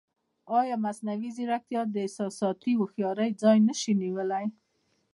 ایا مصنوعي ځیرکتیا د احساساتي هوښیارۍ ځای نه شي نیولی؟